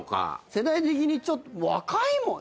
世代的にちょっと若いもん！